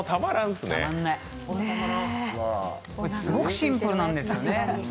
すごくシンプルなんですよね。